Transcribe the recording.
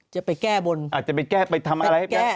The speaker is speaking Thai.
จะไปแก้บนอ่ะจะไปแก้ไปทำอะไร